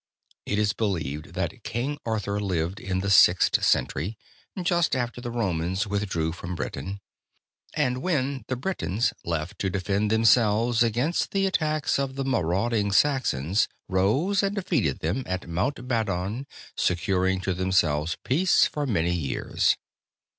It is believed that King Arthur lived in the sixth century, just after the Romans withdrew from Britain, and when the Britons, left to defend themselves against the attacks of the marauding Saxons, rose and defeated them at Mount Badon, securing to themselves peace for many years.